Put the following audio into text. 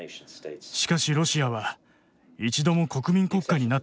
しかしロシアは一度も国民国家になったことがない。